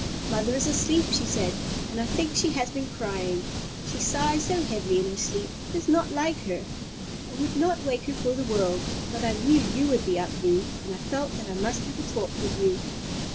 "Mother is asleep," she said; "and I think she has been crying—she sighs so heavily in her sleep; it is not like her. I would not wake her for the world; but I knew you would be up, Lew, and I felt that I must have a talk with you."